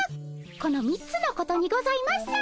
この３つのことにございます。